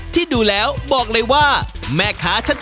ที่ดูแล้วบอกเลยว่าแม่ค้าชัด